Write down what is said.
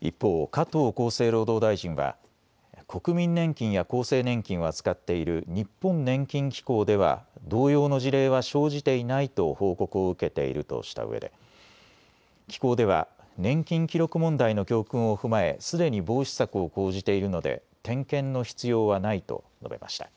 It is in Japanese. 一方、加藤厚生労働大臣は国民年金や厚生年金を扱っている日本年金機構では同様の事例は生じていないと報告を受けているとしたうえで機構では年金記録問題の教訓を踏まえ、すでに防止策を講じているので点検の必要はないと述べました。